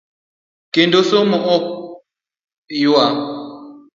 Kendo somo ni ok ywa .